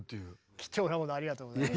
貴重なものありがとうございます。